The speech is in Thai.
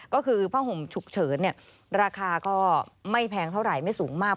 ก็คือผ้าห่มฉุกเฉินราคาก็ไม่แพงเท่าไหร่ไม่สูงมาก